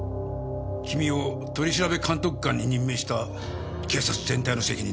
君を取調監督官に任命した警察全体の責任だ。